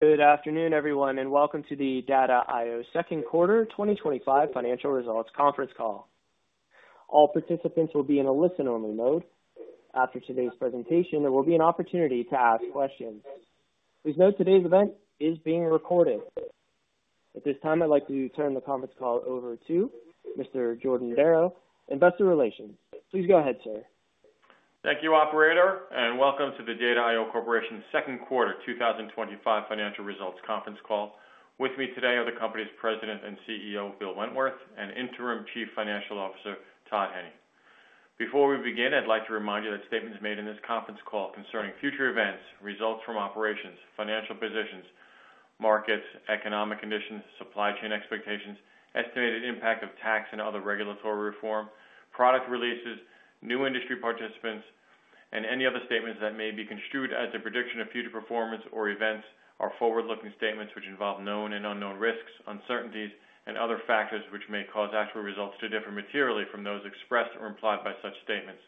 Good afternoon, everyone, and welcome to the Data I/O second quarter 2025 financial results conference call. All participants will be in a listen-only mode. After today's presentation, there will be an opportunity to ask questions. Please note today's event is being recorded. At this time, I'd like to turn the conference call over to Mr. Jordan Darrow, Investor Relations. Please go ahead, sir. Thank you, operator, and welcome to the Data I/O Corporation's second quarter 2025 financial results conference call. With me today are the company's President and CEO, Bill Wentworth, and Interim Chief Financial Officer, Todd Henn. Before we begin, I'd like to remind you that statements made in this conference call concerning future events, results from operations, financial positions, markets, economic conditions, supply chain expectations, estimated impact of tax and other regulatory reform, product releases, new industry participants, and any other statements that may be construed as a prediction of future performance or events, are forward-looking statements which involve known and unknown risks, uncertainties, and other factors which may cause actual results to differ materially from those expressed or implied by such statements.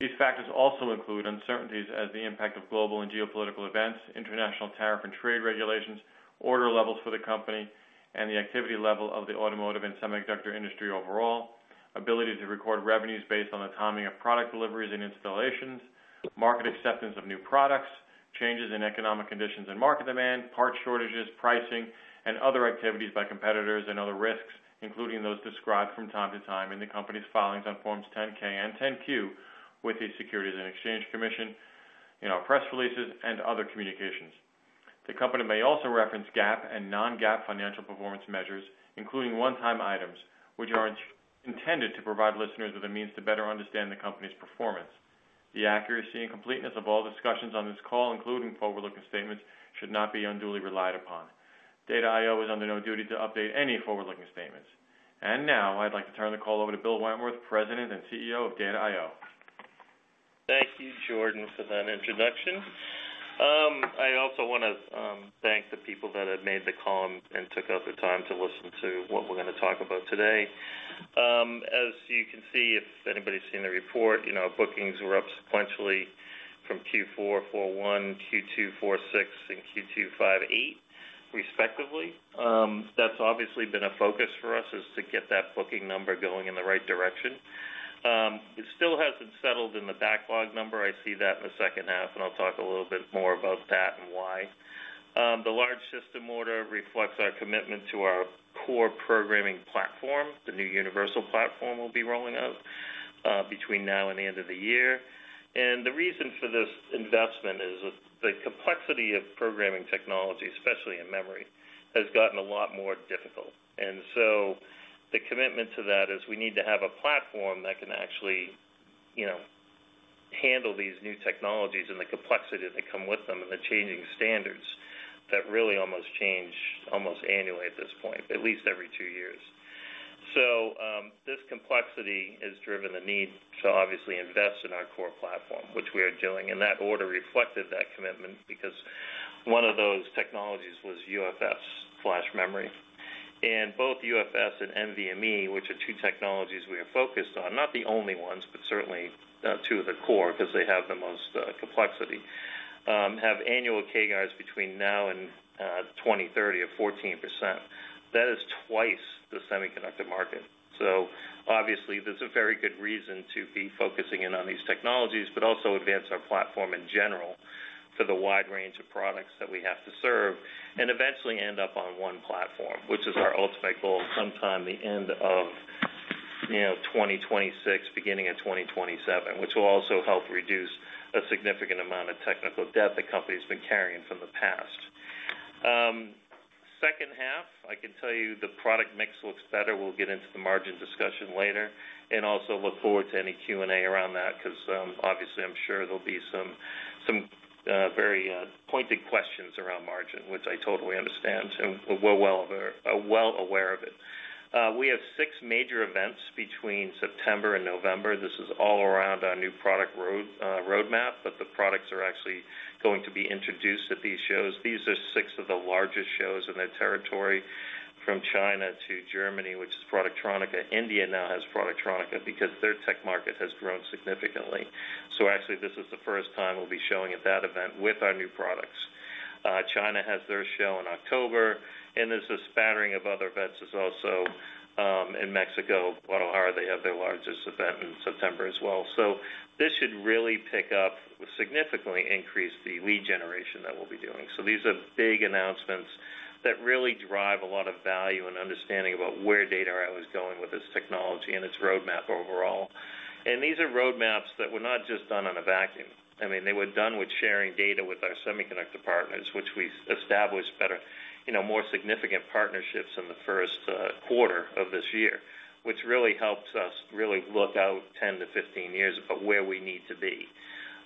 These factors also include uncertainties as the impact of global and geopolitical events, international tariff and trade regulations, order levels for the company, and the activity level of the automotive and semiconductor industry overall, ability to record revenues based on the timing of product deliveries and installations, market acceptance of new products, changes in economic conditions and market demand, part shortages, pricing, and other activities by competitors, and other risks, including those described from time to time in the company's filings on Forms 10-K and 10-Q with the Securities and Exchange Commission, in our press releases, and other communications. The company may also reference GAAP and non-GAAP financial performance measures, including one-time items, which are intended to provide listeners with a means to better understand the company's performance. The accuracy and completeness of all discussions on this call, including forward-looking statements, should not be unduly relied upon. Data I/O is under no duty to update any forward-looking statements. I'd like to turn the call over to Bill Wentworth, President and CEO of Data I/O. Thank you, Jordan, for that introduction. I also want to thank the people that have made the call and took out the time to listen to what we're going to talk about today. As you can see, if anybody's seen the report, bookings were up sequentially from Q4, Q1, Q2, Q4, Q6, and Q2, Q5, Q8, respectively. That's obviously been a focus for us, to get that booking number going in the right direction. It still hasn't settled in the backlog number. I see that in the second half, and I'll talk a little bit more about that and why. The large system order reflects our commitment to our core programming platform. The new Universal Platform will be rolling out between now and the end of the year. The reason for this investment is the complexity of programming technology, especially in memory, has gotten a lot more difficult. The commitment to that is we need to have a platform that can actually handle these new technologies and the complexity that come with them and the changing standards that really almost change almost annually at this point, at least every two years. This complexity has driven the need to obviously invest in our core platform, which we are doing, and that order reflected that commitment because one of those technologies was UFS flash memory. Both UFS and NVMe, which are two technologies we are focused on, not the only ones, but certainly two of the core because they have the most complexity, have annual CAGRs between now and 2030 of 14%. That is twice the semiconductor market. There is a very good reason to be focusing in on these technologies, but also advance our platform in general for the wide range of products that we have to serve and eventually end up on one platform, which is our ultimate goal of sometime the end of 2026, beginning of 2027, which will also help reduce a significant amount of technical debt the company's been carrying from the past. Second half, I can tell you the product mix looks better. We'll get into the margin discussion later and also look forward to any Q&A around that because I'm sure there'll be some very pointed questions around margin, which I totally understand and we're well aware of it. We have six major events between September and November. This is all around our new product roadmap, but the products are actually going to be introduced at these shows. These are six of the largest shows in their territory, from China to Germany, which is Productronica. India now has Productronica because their tech market has grown significantly. This is the first time we'll be showing at that event with our new products. China has their show in October, and there's a spattering of other events as well. In Mexico, Guadalajara, they have their largest event in September as well. This should really pick up, significantly increase the lead generation that we'll be doing. These are big announcements that really drive a lot of value and understanding about where Data I/O is going with its technology and its roadmap overall. These are roadmaps that were not just done in a vacuum. They were done with sharing data with our semiconductor partners, which we established better, more significant partnerships in the first quarter of this year, which really helps us really look out 10-15 years about where we need to be.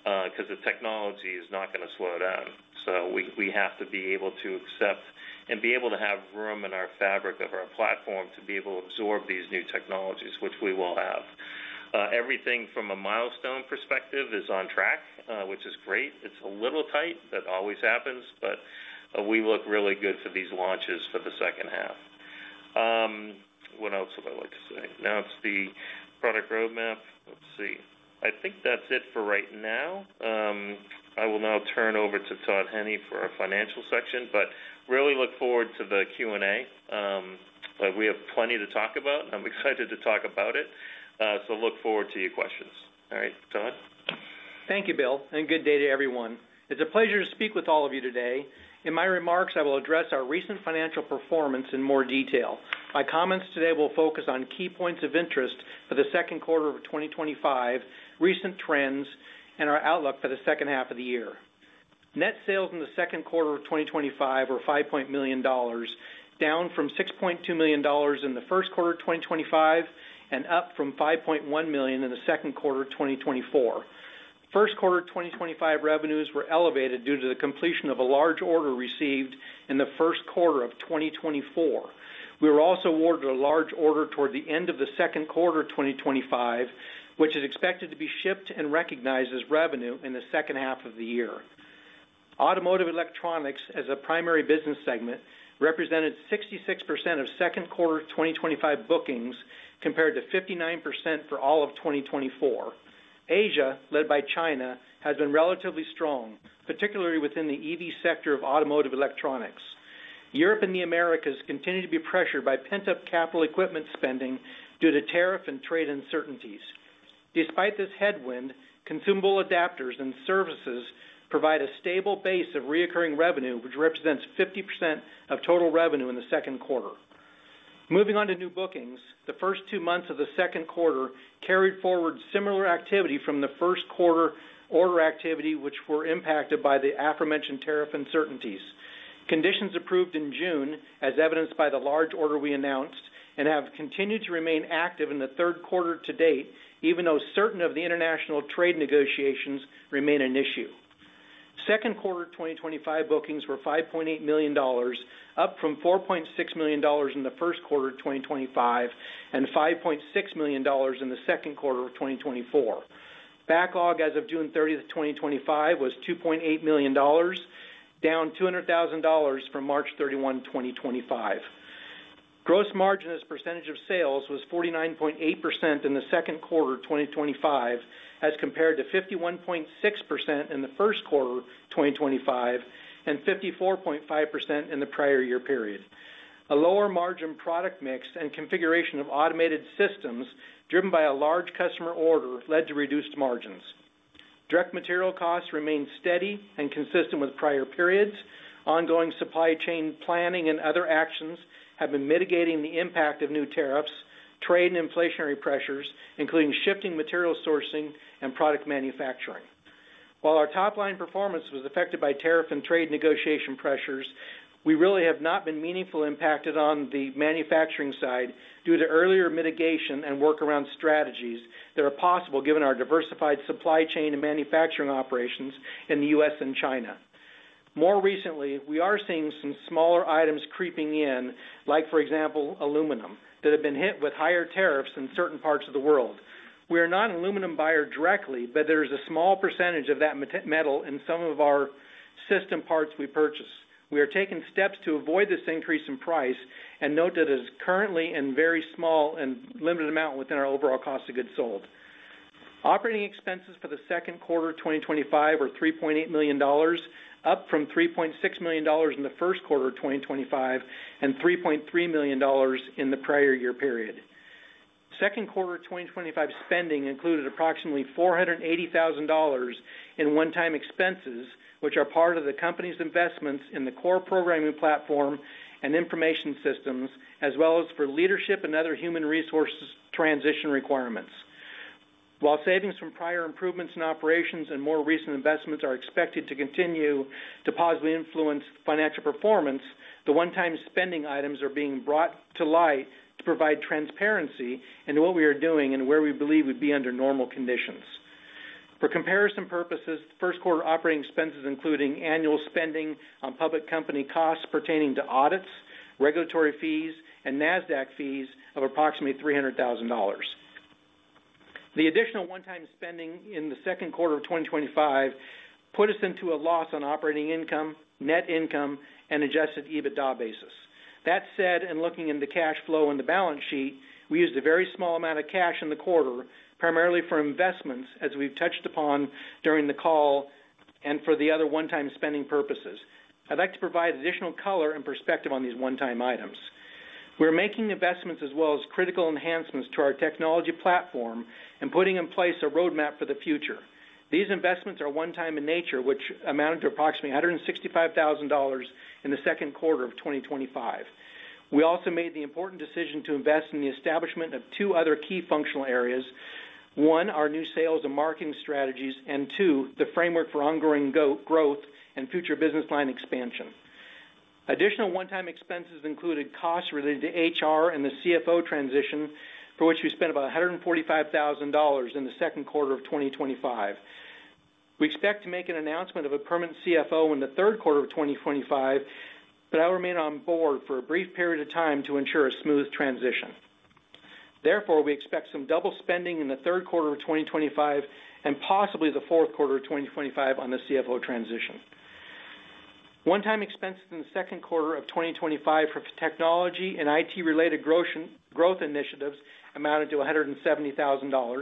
The technology is not going to slow down. We have to be able to accept and be able to have room in our fabric of our platform to be able to absorb these new technologies, which we will have. Everything from a milestone perspective is on track, which is great. It's a little tight, that always happens, but we look really good for these launches for the second half. What else would I like to say? Now it's the product roadmap. Let's see. I think that's it for right now. I will now turn over to Todd Henn for our financial section, but really look forward to the Q&A. We have plenty to talk about, and I'm excited to talk about it. Look forward to your questions. All right, Todd. Thank you, Bill, and good day to everyone. It's a pleasure to speak with all of you today. In my remarks, I will address our recent financial performance in more detail. My comments today will focus on key points of interest for the second quarter of 2025, recent trends, and our outlook for the second half of the year. Net sales in the second quarter of 2025 were $5.0 million, down from $6.2 million in the first quarter of 2025, and up from $5.1 million in the second quarter of 2024. First quarter of 2025 revenues were elevated due to the completion of a large order received in the first quarter of 2024. We were also awarded a large order toward the end of the second quarter of 2025, which is expected to be shipped and recognized as revenue in the second half of the year. Automotive electronics, as a primary business segment, represented 66% of second quarter of 2025 bookings compared to 59% for all of 2024. Asia, led by China, has been relatively strong, particularly within the EV sector of automotive electronics. Europe and the Americas continue to be pressured by pent-up capital equipment spending due to tariff and trade uncertainties. Despite this headwind, consumable adapters and services provide a stable base of recurring revenue, which represents 50% of total revenue in the second quarter. Moving on to new bookings, the first two months of the second quarter carried forward similar activity from the first quarter order activity, which were impacted by the aforementioned tariff uncertainties. Conditions improved in June, as evidenced by the large order we announced, and have continued to remain active in the third quarter to date, even though certain of the international trade negotiations remain an issue. Second quarter of 2025 bookings were $5.8 million, up from $4.6 million in the first quarter of 2025 and $5.6 million in the second quarter of 2024. Backlog as of June 30, 2025 was $2.8 million, down $200,000 from March 31, 2025. Gross margin as a percentage of sales was 49.8% in the second quarter of 2025, as compared to 51.6% in the first quarter of 2025 and 54.5% in the prior year period. A lower margin product mix and configuration of automated systems driven by a large customer order led to reduced margins. Direct material costs remain steady and consistent with prior periods. Ongoing supply chain planning and other actions have been mitigating the impact of new tariffs, trade, and inflationary pressures, including shifting material sourcing and product manufacturing. While our top-line performance was affected by tariff and trade negotiation pressures, we really have not been meaningfully impacted on the manufacturing side due to earlier mitigation and workaround strategies that are possible given our diversified supply chain and manufacturing operations in the U.S. and China. More recently, we are seeing some smaller items creeping in, like, for example, aluminum, that have been hit with higher tariffs in certain parts of the world. We are not an aluminum buyer directly, but there is a small % of that metal in some of our system parts we purchase. We are taking steps to avoid this increase in price and note that it is currently in a very small and limited amount within our overall cost of goods sold. Operating expenses for the second quarter of 2025 were $3.8 million, up from $3.6 million in the first quarter of 2025 and $3.3 million in the prior year period. Second quarter of 2025 spending included approximately $480,000 in one-time expenses, which are part of the company's investments in the core programming platform and information systems, as well as for leadership and other human resources transition requirements. While savings from prior improvements in operations and more recent investments are expected to continue to positively influence financial performance, the one-time spending items are being brought to light to provide transparency into what we are doing and where we believe we'd be under normal conditions. For comparison purposes, the first quarter operating expenses included annual spending on public company costs pertaining to audits, regulatory fees, and NASDAQ fees of approximately $300,000. The additional one-time spending in the second quarter of 2025 put us into a loss on operating income, net income, and adjusted EBITDA basis. That said, in looking into cash flow on the balance sheet, we used a very small amount of cash in the quarter, primarily for investments, as we've touched upon during the call, and for the other one-time spending purposes. I'd like to provide additional color and perspective on these one-time items. We're making investments as well as critical enhancements to our technology platform and putting in place a roadmap for the future. These investments are one-time in nature, which amounted to approximately $165,000 in the second quarter of 2025. We also made the important decision to invest in the establishment of two other key functional areas: one, our new sales and marketing strategies, and two, the framework for ongoing growth and future business line expansion. Additional one-time expenses included costs related to HR and the CFO transition, for which we spent about $145,000 in the second quarter of 2025. We expect to make an announcement of a permanent CFO in the third quarter of 2025, but I'll remain on board for a brief period of time to ensure a smooth transition. Therefore, we expect some double spending in the third quarter of 2025 and possibly the fourth quarter of 2025 on the CFO transition. One-time expenses in the second quarter of 2025 for technology and IT-related growth initiatives amounted to $170,000.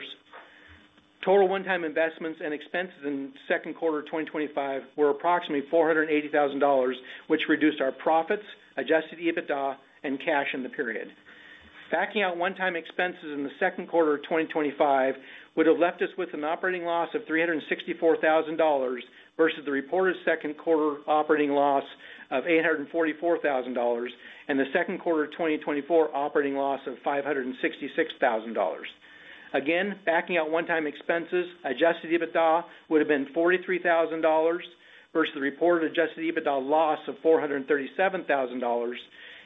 Total one-time investments and expenses in the second quarter of 2025 were approximately $480,000, which reduced our profits, adjusted EBITDA, and cash in the period. Backing out one-time expenses in the second quarter of 2025 would have left us with an operating loss of $364,000 versus the reported second quarter operating loss of $844,000 and the second quarter of 2024 operating loss of $566,000. Again, backing out one-time expenses, adjusted EBITDA would have been $43,000 versus the reported adjusted EBITDA loss of $437,000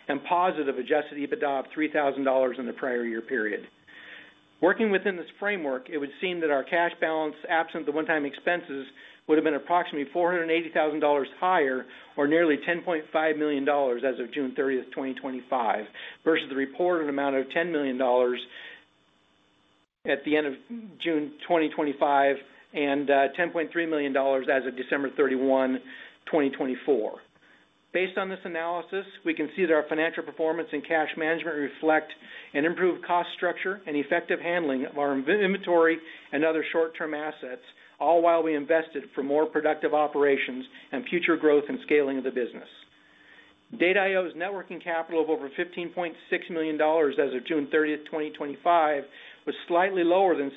and positive adjusted EBITDA of $3,000 in the prior year period. Working within this framework, it would seem that our cash balance absent the one-time expenses would have been approximately $480,000 higher or nearly $10.5 million as of June 30, 2025, versus the reported amount of $10 million at the end of June 2025 and $10.3 million as of December 31, 2024. Based on this analysis, we can see that our financial performance and cash management reflect an improved cost structure and effective handling of our inventory and other short-term assets, all while we invested for more productive operations and future growth and scaling of the business. Data I/O's networking capital of over $15.6 million as of June 30, 2025, was slightly lower than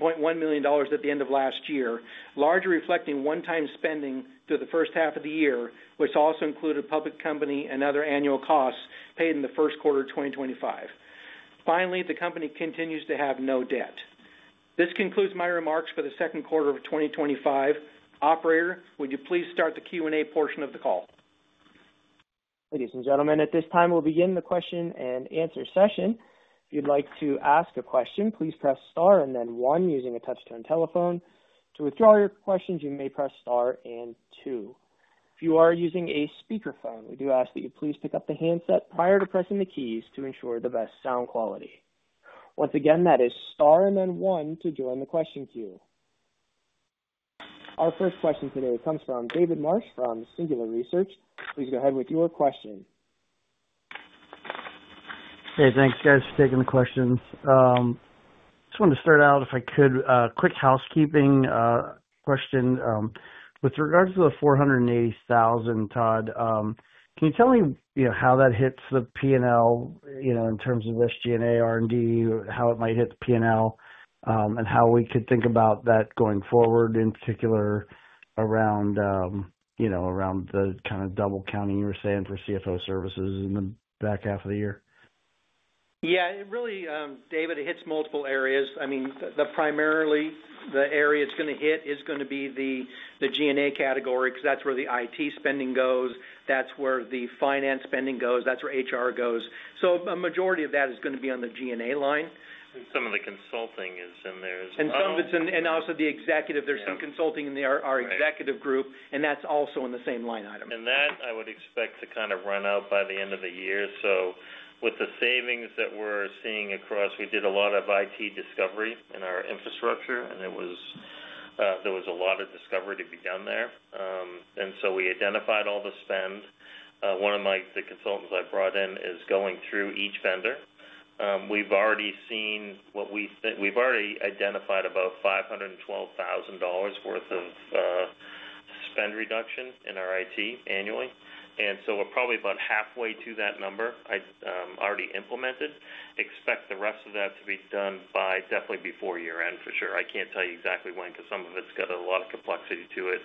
$16.1 million at the end of last year, largely reflecting one-time spending through the first half of the year, which also included public company and other annual costs paid in the first quarter of 2025. Finally, the company continues to have no debt. This concludes my remarks for the second quarter of 2025. Operator, would you please start the Q&A portion of the call? Ladies and gentlemen, at this time, we'll begin the question and answer session. If you'd like to ask a question, please press star and then one using a touch-tone telephone. To withdraw your questions, you may press star and two. If you are using a speakerphone, we do ask that you please pick up the handset prior to pressing the keys to ensure the best sound quality. Once again, that is star and then one to join the question queue. Our first question today comes from David Marsh from Singular Research. Please go ahead with your question. Hey, thanks, guys, for taking the questions. I just wanted to start out, if I could, a quick housekeeping question. With regards to the $480,000, Todd, can you tell me how that hits the P&L, in terms of SG&A, R&D, how it might hit the P&L, and how we could think about that going forward, in particular, around the kind of double counting you were saying for CFO services in the back half of the year? Yeah, it really, David, it hits multiple areas. I mean, primarily the area it's going to hit is going to be the G&A category because that's where the IT spending goes. That's where the finance spending goes. That's where HR goes. A majority of that is going to be on the G&A line. Some of the consulting is in there. Some of it's in, and also the executive, there's some consulting in our Executive group, and that's also in the same line item. I would expect to kind of run out by the end of the year. With the savings that we're seeing across, we did a lot of IT discovery in our infrastructure, and there was a lot of discovery to be done there. We identified all the spend. One of the consultants I brought in is going through each vendor. We've already identified about $512,000 worth of spend reduction in our IT annually. We're probably about halfway to that number already implemented. I expect the rest of that to be done definitely before year-end for sure. I can't tell you exactly when because some of it's got a lot of complexity to it.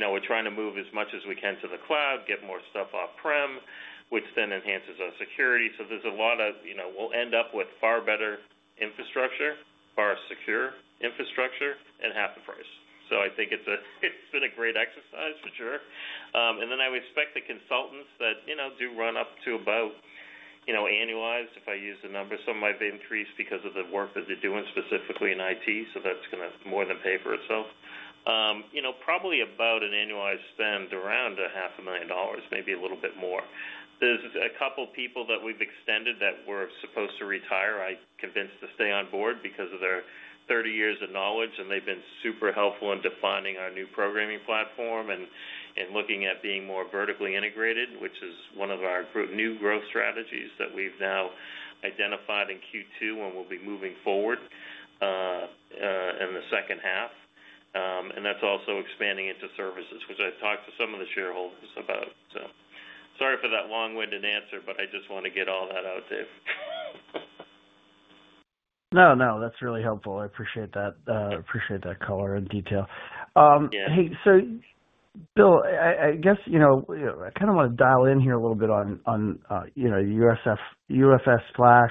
We're trying to move as much as we can to the cloud, get more stuff off-prem, which then enhances our security. We'll end up with far better infrastructure, far secure infrastructure, and half the price. I think it's been a great exercise for sure. I would expect the consultants that do run up to about, annualized, if I use the number, some of them have increased because of the work that they're doing specifically in IT. That's going to more than the paper itself. Probably about an annualized spend around $500,000, maybe a little bit more. There's a couple of people that we've extended that were supposed to retire, I convinced to stay on board because of their 30 years of knowledge, and they've been super helpful in defining our new programming platform and looking at being more vertically integrated, which is one of our new growth strategies that we've now identified in Q2 and will be moving forward in the second half. That's also expanding into services, which I've talked to some of the shareholders about. Sorry for that long-winded answer, but I just want to get all that out there. No, that's really helpful. I appreciate that. I appreciate that color and detail. Hey, Bill, I guess I kind of want to dial in here a little bit on the UFS flash.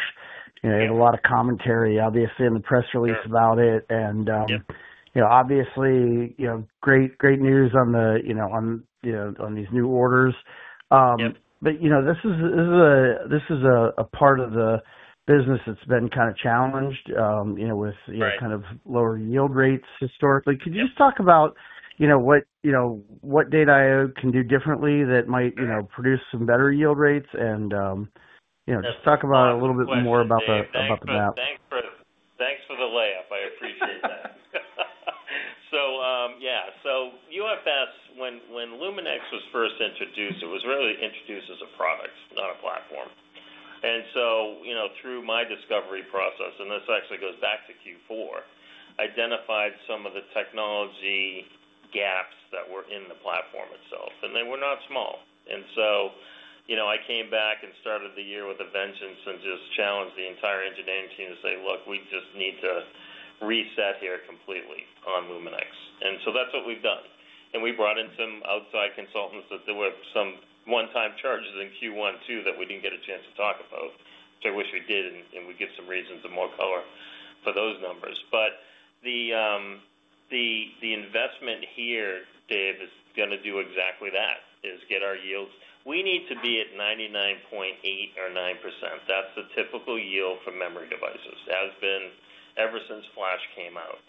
You had a lot of commentary, obviously, in the press release about it. Obviously, great news on these new orders. This is a part of the business that's been kind of challenged with kind of lower yield rates historically. Could you just talk about what Data I/O can do differently that might produce some better yield rates? Could you talk a little bit more about the map? Thanks for the layup. I appreciate that. UFS, when LumenX was first introduced, it was really introduced as a product, not a platform. Through my discovery process, and this actually goes back to Q4, I identified some of the technology gaps that were in the platform itself, and they were not small. I came back and started the year with a vengeance and just challenged the entire engineering team to say, look, we just need to reset here completely on LumenX. That is what we've done. We brought in some outside consultants. There were some one-time charges in Q1 too that we didn't get a chance to talk about, which I wish we did, and we'd give some reasons and more color for those numbers. The investment here, Dave, is going to do exactly that, is get our yields. We need to be at 99.8 or 99.9%. That's the typical yield for memory devices. That has been ever since flash came out.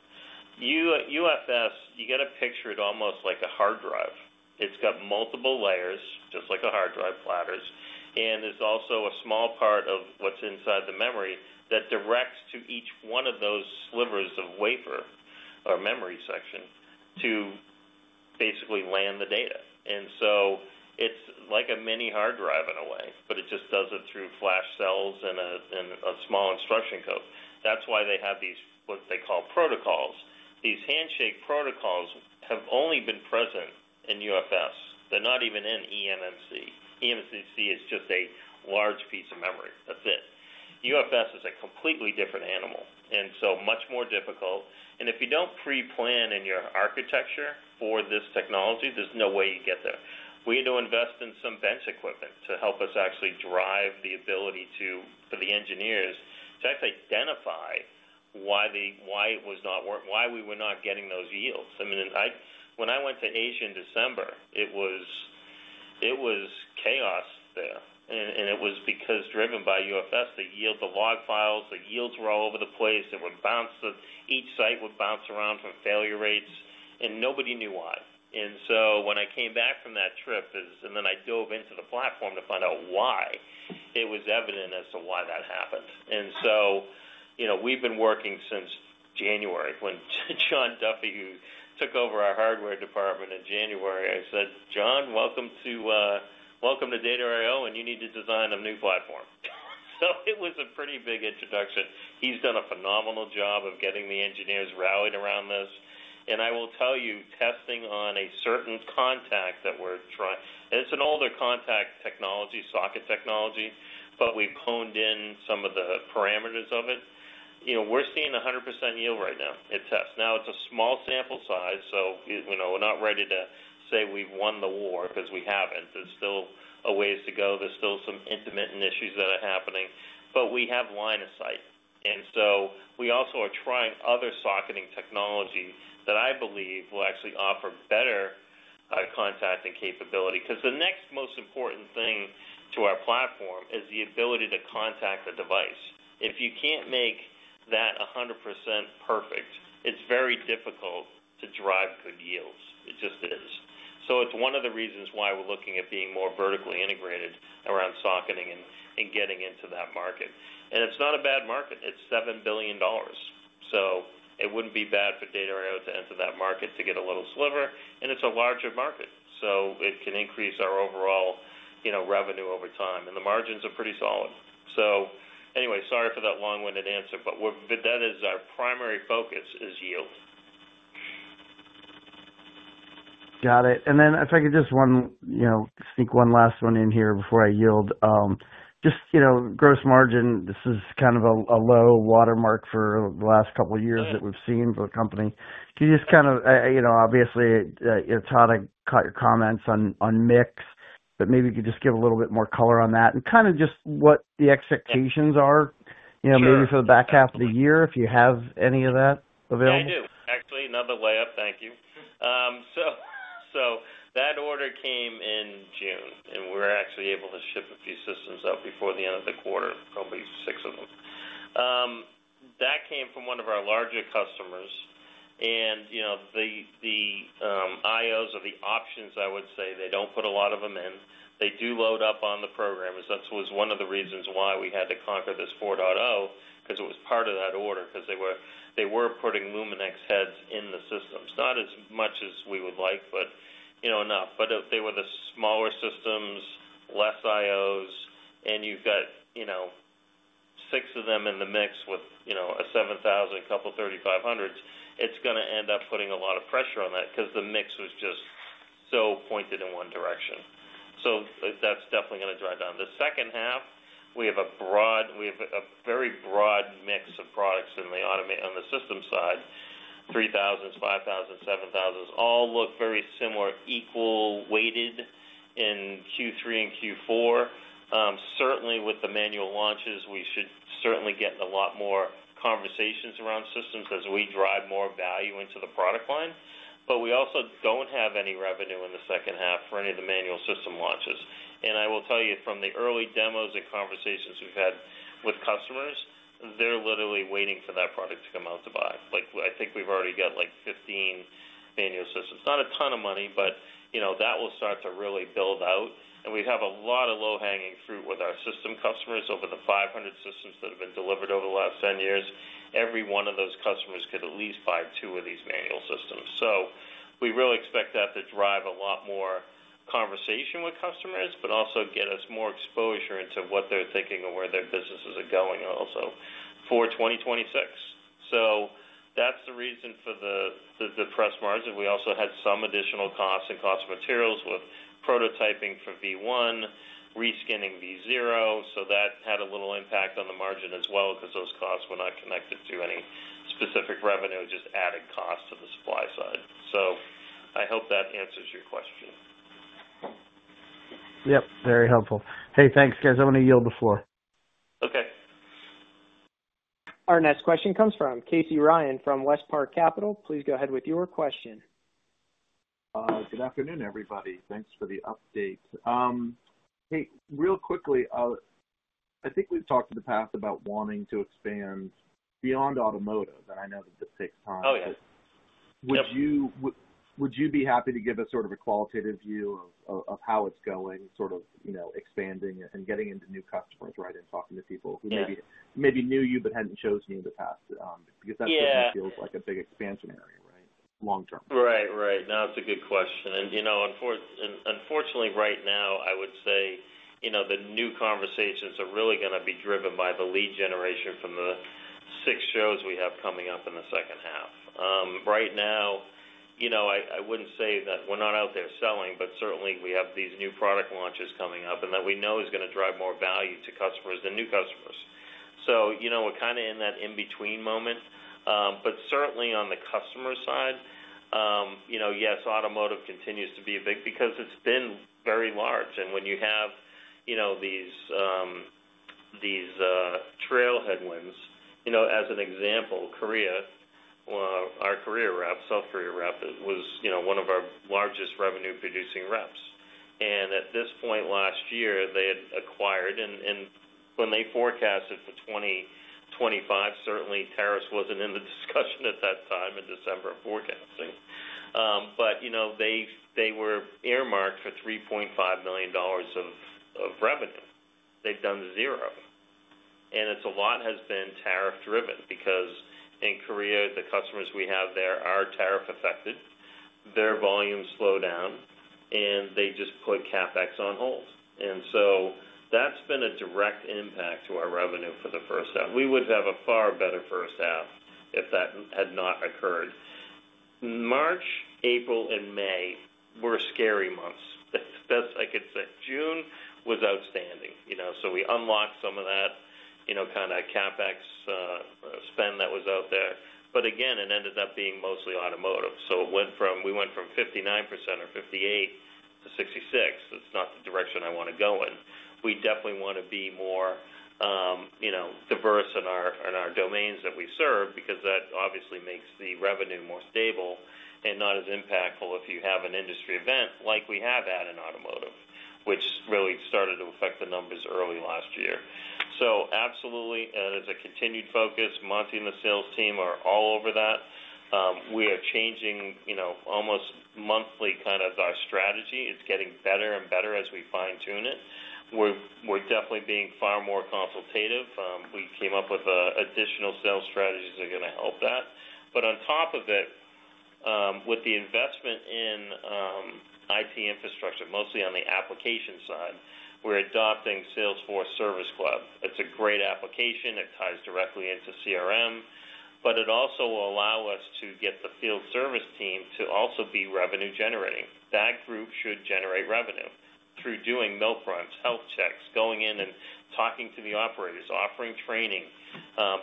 UFS, you have to picture it almost like a hard drive. It's got multiple layers, just like hard drive platters, and it's also a small part of what's inside the memory that directs to each one of those slivers of wafer or memory section to basically land the data. It's like a mini hard drive in a way, but it just does it through flash cells and a small instruction code. That's why they have these, what they call protocols. These handshake protocols have only been present in UFS. They're not even in eMMC. eMMC is just a large piece of memory. That's it. UFS is a completely different animal, and so much more difficult. If you don't pre-plan in your architecture for this technology, there's no way you get there. We had to invest in some bench equipment to help us actually drive the ability for the engineers to actually identify why it was not working, why we were not getting those yields. When I went to Asia in December, it was chaos there. It was because driven by UFS, the yield, the log files, the yields were all over the place. It would bounce, each site would bounce around from failure rates, and nobody knew why. When I came back from that trip, and then I dove into the platform to find out why, it was evident as to why that happened. We've been working since January. When John Duffy, who took over our hardware department in January, I said, "John, welcome to Data I/O, and you need to design a new platform." It was a pretty big introduction. He's done a phenomenal job of getting the engineers rallied around this. I will tell you, testing on a certain contact that we're trying, and it's an older contact technology, socket technology, but we've honed in some of the parameters of it. We're seeing 100% yield right now at test. It's a small sample size, so we're not ready to say we've won the war because we haven't. There's still a ways to go. There are still some intermittent issues that are happening, but we have line of sight. We also are trying other socketing technology that I believe will actually offer better contacting capability. The next most important thing to our platform is the ability to contact the device. If you can't make that 100% perfect, it's very difficult to drive good yields. It just is. It's one of the reasons why we're looking at being more vertically integrated around socketing and getting into that market. It's not a bad market. It's $7 billion. It wouldn't be bad for Data I/O to enter that market to get a little sliver. It's a larger market. It can increase our overall revenue over time. The margins are pretty solid. Sorry for that long-winded answer, but that is our primary focus is yield. Got it. If I could just sneak one last one in here before I yield. Just, you know, gross margin, this is kind of a low watermark for the last couple of years that we've seen for the company. Can you just kind of, you know, obviously, Todd, I caught your comments on mix, but maybe you could just give a little bit more color on that and kind of just what the expectations are, you know, maybe for the back half of the year if you have any of that available. I do. Actually, another layup. Thank you. That order came in June, and we were actually able to ship a few systems out before the end of the quarter. There will be six of them. That came from one of our larger customers. The I/Os or the options, I would say, they do not put a lot of them in. They do load up on the programmers. That was one of the reasons why we had to conquer this 4.0, because it was part of that order, because they were putting LumenX heads in the systems. Not as much as we would like, but enough. They were the smaller systems, less I/Os, and you have six of them in the mix with a 7,000, a couple of 3,500s. It is going to end up putting a lot of pressure on that because the mix was just so pointed in one direction. That is definitely going to drive down. The second half, we have a very broad mix of products on the system side. 3,000s, 5,000s, 7,000s all look very similar, equal weighted in Q3 and Q4. Certainly with the manual launches, we should get a lot more conversations around systems as we drive more value into the product line. We also do not have any revenue in the second half for any of the manual system launches. I will tell you, from the early demos and conversations we have had with customers, they are literally waiting for that product to come out to buy. I think we have already got like 15 manual systems. Not a ton of money, but that will start to really build out. We have a lot of low-hanging fruit with our system customers over the 500 systems that have been delivered over the last 10 years. Every one of those customers could at least buy two of these manual systems. We really expect that to drive a lot more conversation with customers, but also get us more exposure into what they are thinking and where their businesses are going also for 2026. That is the reason for the depressed margin. We also had some additional costs and cost of materials with prototyping for V1, reskinning V0. That had a little impact on the margin as well because those costs were not connected to any specific revenue, just added costs to the supply side. I hope that answers your question. Yep, very helpful. Hey, thanks, guys. I'm going to yield the floor. Okay. Our next question comes from Casey Ryan from West Park Capital. Please go ahead with your question. Good afternoon, everybody. Thanks for the update. Real quickly, I think we've talked in the past about wanting to expand beyond automotive, and I know that this takes time. Oh, yeah. Would you be happy to give us sort of a qualitative view of how it's going, expanding and getting into new customers, right, and talking to people who maybe knew you but hadn't chosen you in the past? That certainly feels like a big expansion area, right, long term. Right, right. No, it's a good question. Unfortunately, right now, I would say the new conversations are really going to be driven by the lead generation from the six shows we have coming up in the second half. Right now, I wouldn't say that we're not out there selling, but certainly, we have these new product launches coming up and that we know is going to drive more value to customers than new customers. We're kind of in that in-between moment. Certainly, on the customer side, yes, automotive continues to be big because it's been very large. When you have these trail headwinds, as an example, our South Korea rep was one of our largest revenue-producing reps. At this point last year, they had acquired. When they forecasted for 2025, certainly, tariffs wasn't in the discussion at that time in December of forecasting. They were earmarked for $3.5 million of revenue. They've done zero. A lot has been tariff-driven because in Korea, the customers we have there are tariff-affected. Their volumes slow down, and they just put CapEx on hold. That's been a direct impact to our revenue for the first half. We would have a far better first half if that had not occurred. March, April, and May were scary months. That's the best I could say. June was outstanding. We unlocked some of that CapEx spend that was out there. Again, it ended up being mostly automotive. We went from 59% or 58% to 66%. That's not the direction I want to go in. We definitely want to be more diverse in our domains that we serve because that obviously makes the revenue more stable and not as impactful if you have an industry event like we have had in automotive, which really started to affect the numbers early last year. Absolutely, and as a continued focus, Monty and the sales team are all over that. We are changing almost monthly kind of our strategy. It's getting better and better as we fine-tune it. We're definitely being far more consultative. We came up with additional sales strategies that are going to help that. On top of it, with the investment in IT infrastructure, mostly on the application side, we're adopting Salesforce Service Cloud. It's a great application. It ties directly into CRM, but it also will allow us to get the field service team to also be revenue generating. That group should generate revenue through doing milk runs, health checks, going in and talking to the operators, offering training,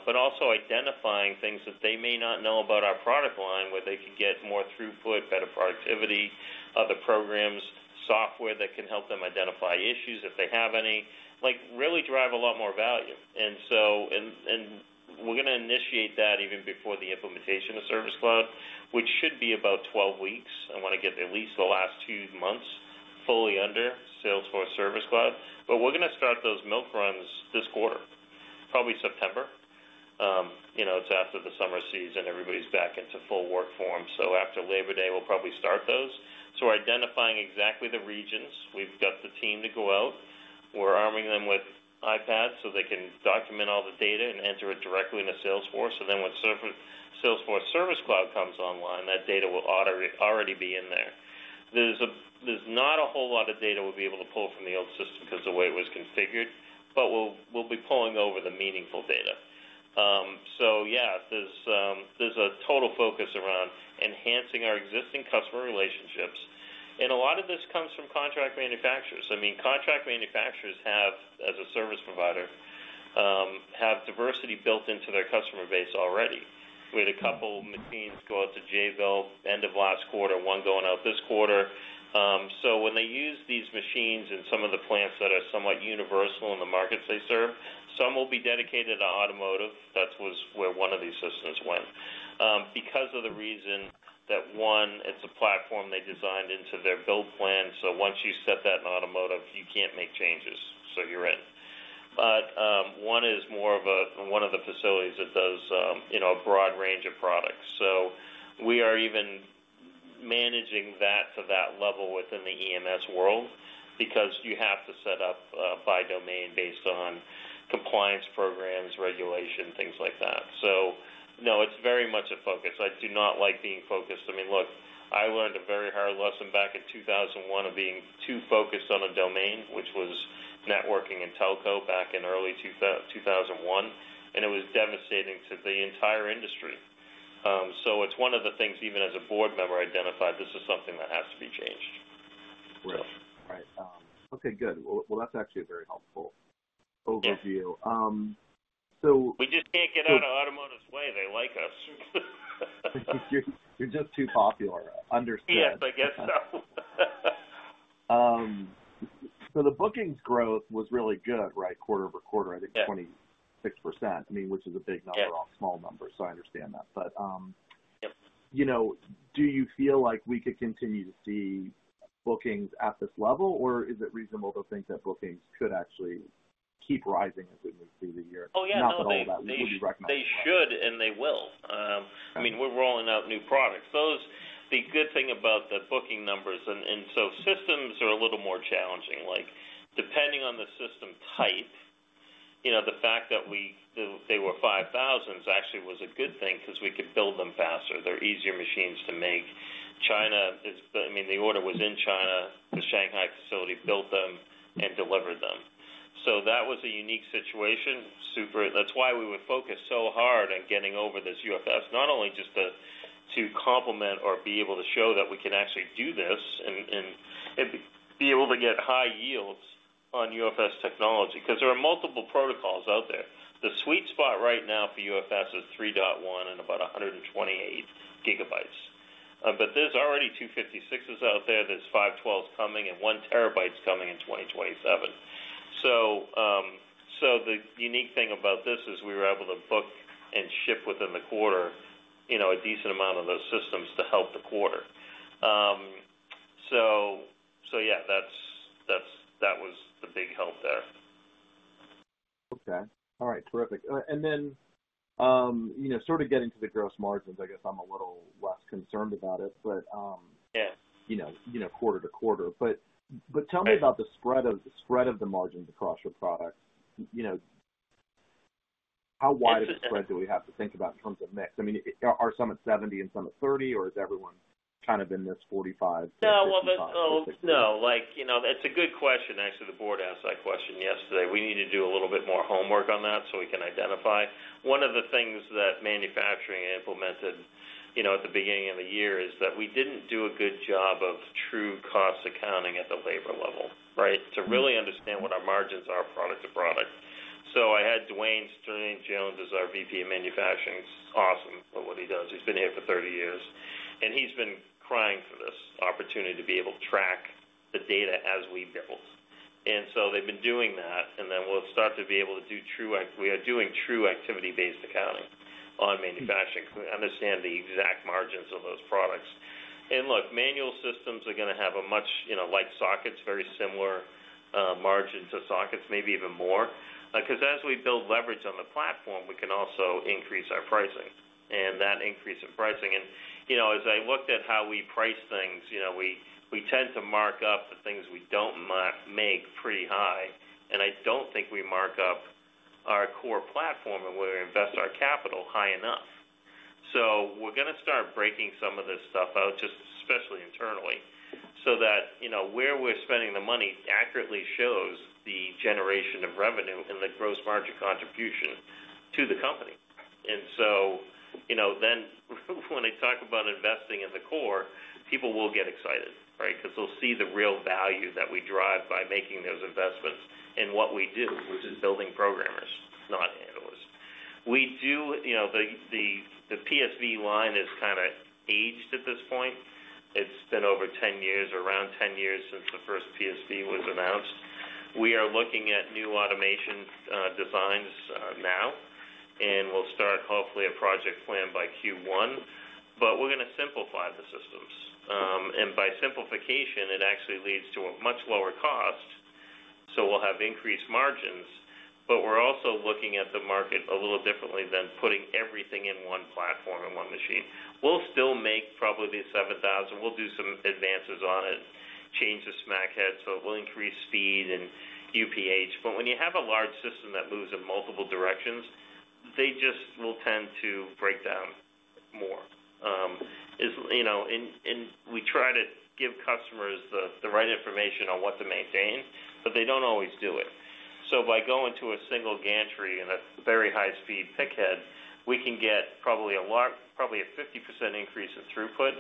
but also identifying things that they may not know about our product line where they could get more throughput, better productivity, other programs, software that can help them identify issues if they have any, like really drive a lot more value. We're going to initiate that even before the implementation of Service Cloud, which should be about 12 weeks. I want to get at least the last two months fully under Salesforce Service Cloud. We're going to start those milk runs this quarter, probably September. It's after the summer season. Everybody's back into full work form. After Labor Day, we'll probably start those. We're identifying exactly the regions. We've got the team to go out. We're arming them with iPads so they can document all the data and enter it directly into Salesforce. When Salesforce Service Cloud comes online, that data will already be in there. There's not a whole lot of data we'll be able to pull from the old system because of the way it was configured, but we'll be pulling over the meaningful data. There's a total focus around enhancing our existing customer relationships. A lot of this comes from contract manufacturers. Contract manufacturers have, as a service provider, have diversity built into their customer base already. We had a couple of machines go out to Jayville end of last quarter, one going out this quarter. When they use these machines in some of the plants that are somewhat universal in the markets they serve, some will be dedicated to automotive. That was where one of these systems went. Because of the reason that, one, it's a platform they designed into their build plan. Once you set that in automotive, you can't make changes. You're in. One is more of one of the facilities that does a broad range of products. We are even managing that to that level within the EMS world because you have to set up by domain based on compliance programs, regulation, things like that. It's very much a focus. I do not like being focused. I learned a very hard lesson back in 2001 of being too focused on a domain, which was networking and telco back in early 2001. It was devastating to the entire industry. One of the things, even as a board member, I identified is this is something that has to be changed. Really, right. Okay, good. That's actually a very helpful overview. We just can't get out of automotive's way. They like us. You're just too popular. Understood. Yes, I guess so. The bookings growth was really good, right? Quarter over quarter, I think 26%. I mean, which is a big number off small numbers. I understand that. Do you feel like we could continue to see bookings at this level, or is it reasonable to think that bookings could actually keep rising as we move through the year? Oh, yeah. What would you recommend? They should, and they will. I mean, we're rolling out new products. The good thing about the booking numbers, and systems are a little more challenging. Depending on the system type, the fact that they were 5,000s actually was a good thing because we could build them faster. They're easier machines to make. China, I mean, the order was in China. The Shanghai facility built them and delivered them. That was a unique situation. That's why we would focus so hard on getting over this UFS, not only just to complement or be able to show that we can actually do this and be able to get high yields on UFS technology because there are multiple protocols out there. The sweet spot right now for UFS is 3.1 and about 128 gigabytes. There's already 256s out there. There's 512s coming and one terabyte is coming in 2027. The unique thing about this is we were able to book and ship within the quarter, a decent amount of those systems to help the quarter. That was the big help there. Okay. All right. Terrific. Sort of getting to the gross margins, I guess I'm a little less concerned about it, but, yeah, quarter to quarter. Tell me about the spread of the margins across your product. How wide of a spread do we have to think about in terms of mix? I mean, are some at 70% and some at 30%, or is everyone kind of in this 45%? No, it's a good question. I asked, the board asked that question yesterday. We need to do a little bit more homework on that so we can identify. One of the things that manufacturing implemented at the beginning of the year is that we didn't do a good job of true cost accounting at the labor level to really understand what our margins are product to product. I had Duane Sterling-Jones as our VP of Manufacturing. It's awesome what he does. He's been here for 30 years, and he's been crying for this opportunity to be able to track the data as we build. They've been doing that, and we'll start to be able to do true, we are doing true activity-based accounting on manufacturing because we understand the exact margins of those products. Manual systems are going to have a much, like sockets, very similar margin to sockets, maybe even more. As we build leverage on the platform, we can also increase our pricing. That increase in pricing, as I looked at how we price things, we tend to mark up the things we don't make pretty high. I don't think we mark up our core platform and where we invest our capital high enough. We're going to start breaking some of this stuff out, just especially internally, so that where we're spending the money accurately shows the generation of revenue and the gross margin contribution to the company. When I talk about investing in the core, people will get excited because they'll see the real value that we drive by making those investments in what we do, which is building programmers, not handlers. The PSV line is kind of aged at this point. It's been over 10 years, around 10 years since the first PSV was announced. We are looking at new automation designs now, and we'll start hopefully a project plan by Q1. We're going to simplify the systems, and by simplification, it actually leads to a much lower cost. We'll have increased margins. We're also looking at the market a little differently than putting everything in one platform and one machine. We'll still make probably the 7,000. We'll do some advances on it, change the smack head, so we'll increase speed and UPH. When you have a large system that moves in multiple directions, they just will tend to break down more. You know, we try to give customers the right information on what to maintain, but they don't always do it. By going to a single gantry and a very high-speed pickhead, we can get probably a lot, probably a 50% increase in throughput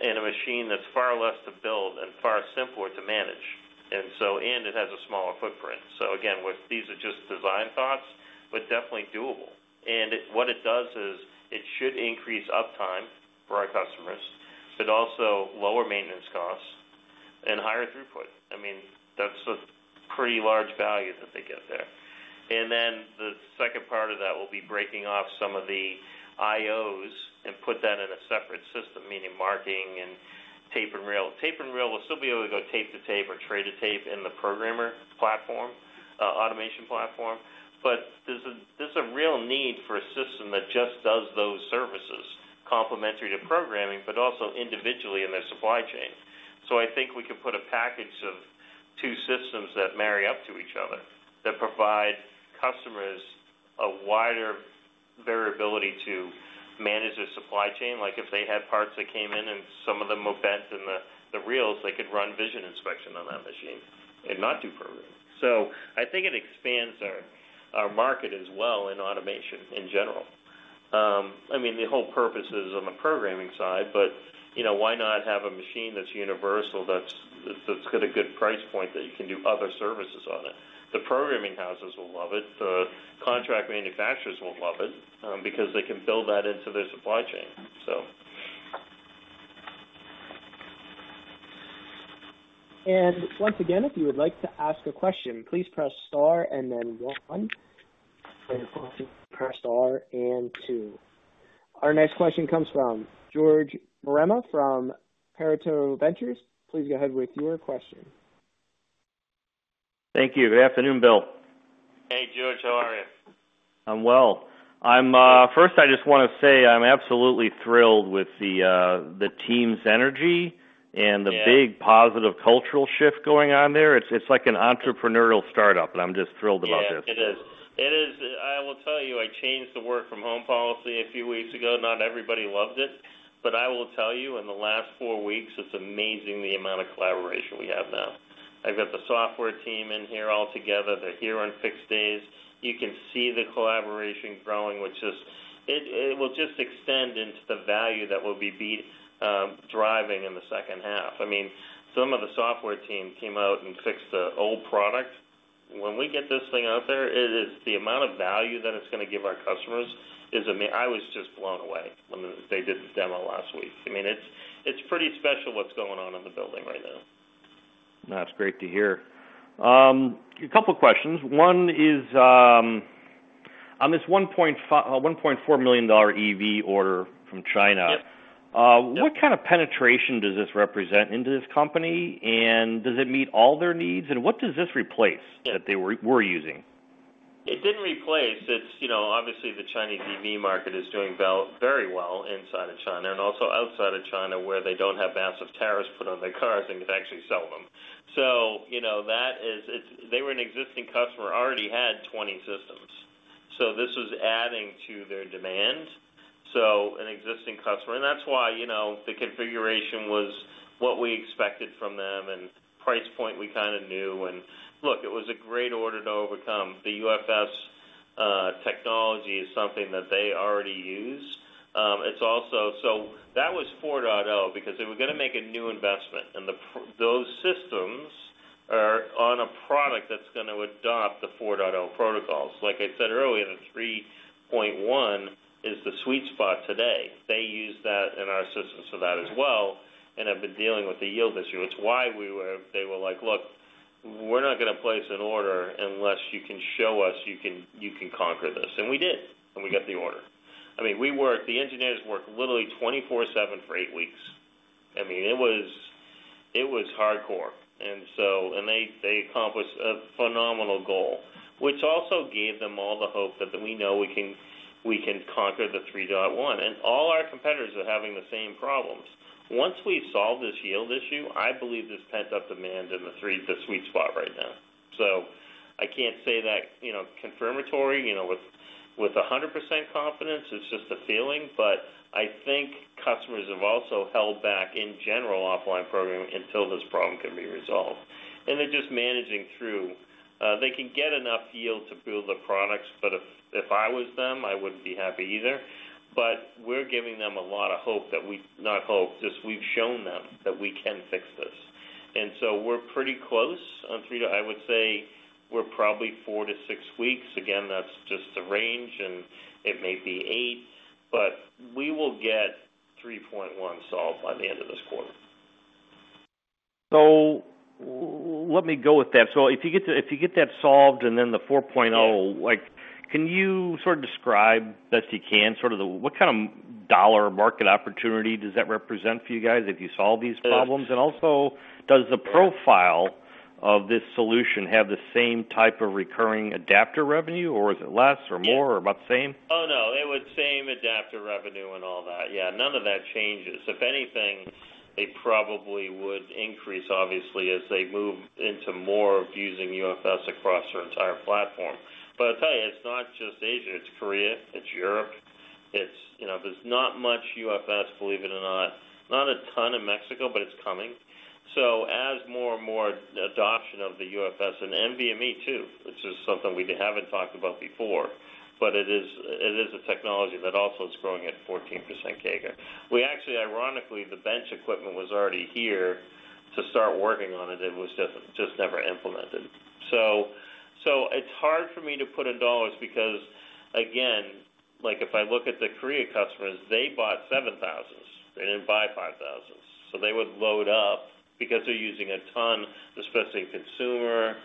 in a machine that's far less to build and far simpler to manage. It has a smaller footprint. These are just design thoughts, but definitely doable. What it does is it should increase uptime for our customers, but also lower maintenance costs and higher throughput. That's a pretty large value that they get there. The second part of that will be breaking off some of the I/Os and putting that in a separate system, meaning marking and tape and rail. Tape and rail will still be able to go tape to tape or tray to tape in the programming platform, automation platform. There's a real need for a system that just does those services complementary to programming, but also individually in their supply chain. I think we could put a package of two systems that marry up to each other that provide customers a wider variability to manage their supply chain. Like if they had parts that came in and some of them were bent in the reels, they could run vision inspection on that machine and not do programming. I think it expands our market as well in automation in general. The whole purpose is on the programming side, but you know, why not have a machine that's universal, that's got a good price point that you can do other services on it? The programming houses will love it. The contract manufacturers will love it because they can build that into their supply chain. If you would like to ask a question, please press star and then one. You can press star and two. Our next question comes from George Marema from Peritoneal Ventures. Please go ahead with your question. Thank you. Good afternoon, Bill. Hey, George. How are you? I'm well. First, I just want to say I'm absolutely thrilled with the team's energy and the big positive cultural shift going on there. It's like an entrepreneurial startup, and I'm just thrilled about this. It is. I will tell you, I changed the work-from-home policy a few weeks ago. Not everybody loved it. I will tell you, in the last four weeks, it's amazing the amount of collaboration we have now. I've got the software team in here all together. They're here on fixed days. You can see the collaboration growing, which will just extend into the value that we'll be driving in the second half. Some of the software team came out and fixed the old product. When we get this thing out there, it is the amount of value that it's going to give our customers. I was just blown away when they did the demo last week. It's pretty special what's going on in the building right now. That's great to hear. A couple of questions. One is on this $1.4 million EV order from China. What kind of penetration does this represent into this company, does it meet all their needs, and what does this replace that they were using? It didn't replace. Obviously, the Chinese EV market is doing very well inside of China and also outside of China, where they don't have massive tariffs put on their cars and can actually sell them. That is, they were an existing customer, already had 20 systems. This was adding to their demand, so an existing customer. That's why the configuration was what we expected from them and price point we kind of knew. It was a great order to overcome. The UFS technology is something that they already use. That was 4.0 because they were going to make a new investment, and those systems are on a product that's going to adopt the 4.0 protocols. Like I said earlier, the 3.1 is the sweet spot today. They use that in our systems for that as well and have been dealing with the yield this year. It's why they were like, look, we're not going to place an order unless you can show us you can conquer this. We did, and we got the order. The engineers worked literally 24/7 for eight weeks. It was hardcore, and they accomplished a phenomenal goal, which also gave them all the hope that we know we can conquer the 3.1. All our competitors are having the same problems. Once we solve this yield issue, I believe this pent-up demand in the sweet spot right now. I can't say that confirmatory, with 100% confidence. It's just a feeling. I think customers have also held back in general offline programming until this problem can be resolved, and they're just managing through. They can get enough yield to build the products, but if I was them, I wouldn't be happy either. We're giving them a lot of hope that we, not hope, just we've shown them that we can fix this. We're pretty close on three, I would say we're probably four to six weeks. Again, that's just the range, and it may be eight, but we will get 3.1 solved by the end of this quarter. If you get that solved and then the 4.0, can you sort of describe the best you can what kind of dollar market opportunity does that represent for you guys if you solve these problems? Also, does the profile of this solution have the same type of recurring adapter revenue, or is it less or more or about the same? Oh, no. It would be the same adapter revenue and all that. Yeah, none of that changes. If anything, they probably would increase, obviously, as they move into more of using UFS across their entire platform. I'll tell you, it's not just Asia. It's Korea. It's Europe. There's not much UFS, believe it or not. Not a ton in Mexico, but it's coming. As more and more adoption of the UFS and NVMe too, which is something we haven't talked about before, it is a technology that also is growing at 14% CAGR. Ironically, the bench equipment was already here to start working on it. It was just never implemented. It's hard for me to put in dollars because, again, if I look at the Korea customers, they bought 7,000s. They didn't buy 5,000s. They would load up because they're using a ton, especially in consumer,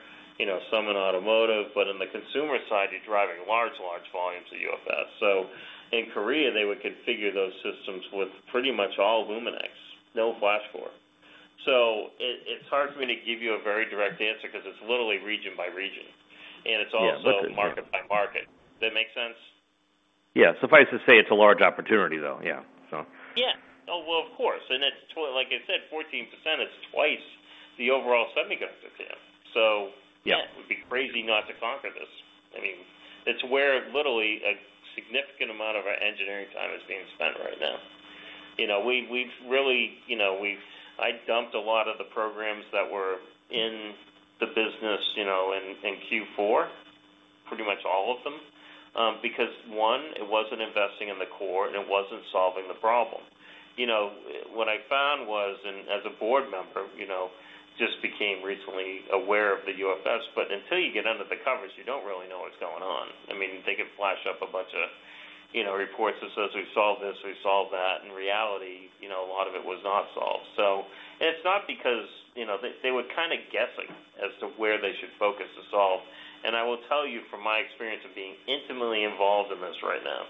some in automotive. In the consumer side, you're driving large, large volumes of UFS. In Korea, they would configure those systems with pretty much all LumenX, no flash core. It's hard for me to give you a very direct answer because it's literally region by region. It's also market by market. Does that make sense? Suffice to say, it's a large opportunity, though. Yeah. Of course. It's like I said, 14% is twice the overall semiconductor demand. It would be crazy not to conquer this. It's where literally a significant amount of our engineering time is being spent right now. We've really dumped a lot of the programs that were in the business in Q4, pretty much all of them, because one, it wasn't investing in the core, and it wasn't solving the problem. What I found was, and as a board member, I just became recently aware of the UFS, but until you get under the covers, you don't really know what's going on. They could flash up a bunch of reports that say we solved this, we solved that. In reality, a lot of it was not solved. It's not because they were kind of guessing as to where they should focus to solve. I will tell you from my experience of being intimately involved in this right now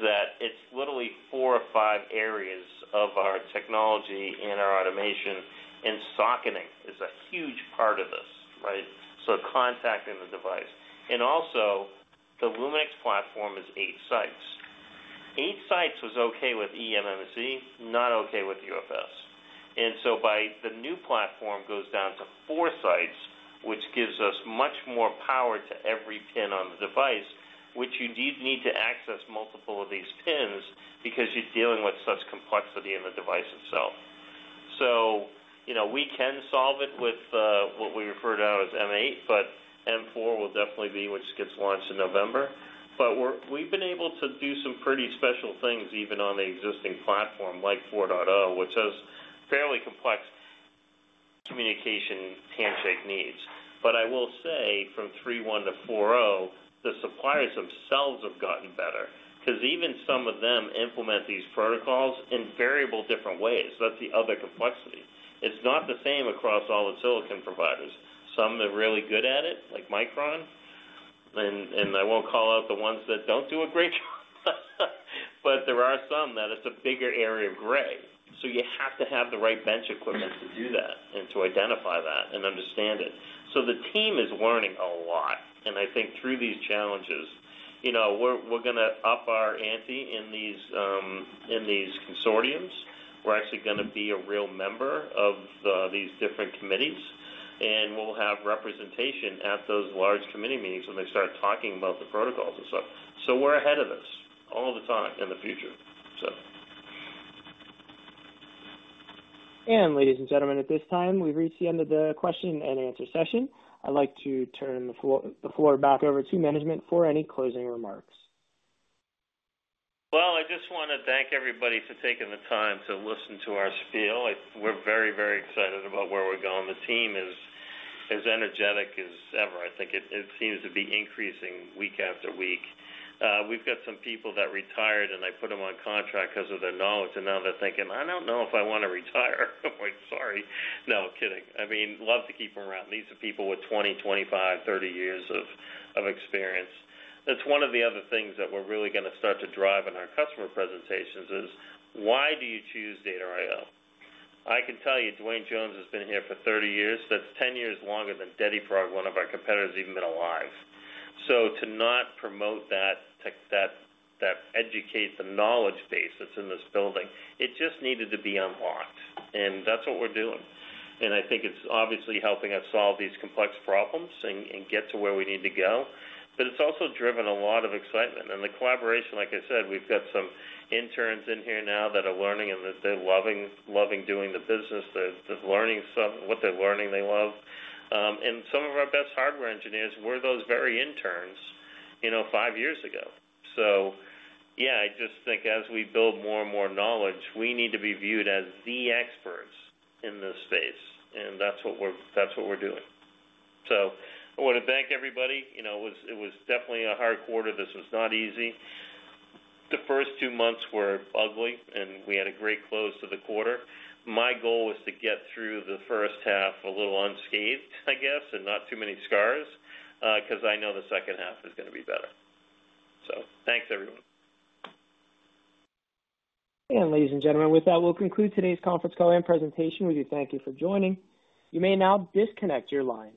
that it's literally four or five areas of our technology and our automation, and socketing is a huge part of this, right? Contacting the device. Also, the LumenX platform is eight sites. Eight sites was okay with eMMC, not okay with UFS. By the new platform, it goes down to four sites, which gives us much more power to every pin on the device, which you need to access multiple of these pins because you're dealing with such complexity in the device itself. We can solve it with what we refer to now as M8, but M4 will definitely be, which gets launched in November. We've been able to do some pretty special things even on the existing platform, like 4.0, which has fairly complex communication handshake needs. I will say from 3.1 to 4.0, the suppliers themselves have gotten better because even some of them implement these protocols in variable different ways. That's the other complexity. It's not the same across all the silicon providers. Some are really good at it, like Micron. I won't call out the ones that don't do a great job, but there are some that it's a bigger area of gray. You have to have the right bench equipment to do that and to identify that and understand it. The team is learning a lot. I think through these challenges, we're going to up our ante in these consortiums. We're actually going to be a real member of these different committees. We'll have representation at those large committee meetings when they start talking about the protocols and stuff. We're ahead of this all the time in the future. Ladies and gentlemen, at this time, we've reached the end of the question and answer session. I'd like to turn the floor back over to management for any closing remarks. I just want to thank everybody for taking the time to listen to our spiel. We're very, very excited about where we're going. The team is as energetic as ever. I think it seems to be increasing week after week. We've got some people that retired, and I put them on contract because of their knowledge. Now they're thinking, "I don't know if I want to retire." I'm like, "Sorry." No, kidding. I mean, love to keep them around. These are people with 20, 25, 30 years of experience. That's one of the other things that we're really going to start to drive in our customer presentations is, "Why do you choose Data I/O?" I can tell you, Duane Jones has been here for 30 years. That's 10 years longer than Deddy Pragg, one of our competitors, has even been alive. To not promote that, to educate the knowledge base that's in this building, it just needed to be unlocked. That's what we're doing. I think it's obviously helping us solve these complex problems and get to where we need to go. It's also driven a lot of excitement. The collaboration, like I said, we've got some interns in here now that are learning, and they're loving doing the business. They're learning what they're learning they love. Some of our best hardware engineers were those very interns, you know, five years ago. I just think as we build more and more knowledge, we need to be viewed as the experts in this space. That's what we're doing. I want to thank everybody. It was definitely a hard quarter. This was not easy. The first two months were ugly, and we had a great close to the quarter. My goal was to get through the first half a little unscathed, I guess, and not too many scars, because I know the second half is going to be better. Thanks, everyone. Ladies and gentlemen, with that, we'll conclude today's conference call and presentation. We do thank you for joining. You may now disconnect your line.